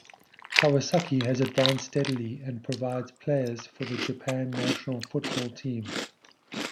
Kawasaki has advanced steadily, and provides players for the Japan national football team.